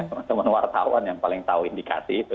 teman teman wartawan yang paling tahu indikasi itu